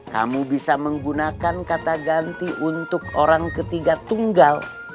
kamu bisa menggunakan kata ganti untuk orang ketiga tunggal